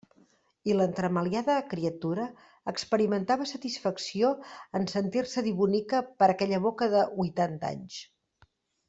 I l'entremaliada criatura experimentava satisfacció en sentir-se dir bonica per aquella boca de huitanta anys.